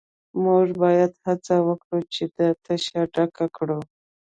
موږ باید هڅه وکړو چې دا تشه ډکه کړو